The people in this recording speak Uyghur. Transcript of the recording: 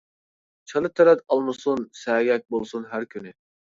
چالا تەرەت ئالمىسۇن، سەگەك بولسۇن ھەر كۈنى.